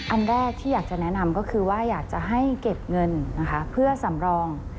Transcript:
อันแรกที่อยากจะแนะนำก็คือว่าอยากจะให้เก็บเงินนะคะเพื่อสำรอง